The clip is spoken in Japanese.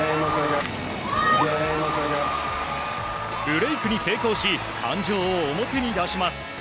ブレークに成功し感情を表に出します。